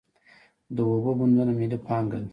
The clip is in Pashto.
د اوبو بندونه ملي پانګه ده.